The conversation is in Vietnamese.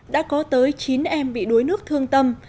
đã có tới chín em bị đuối nước thương tâm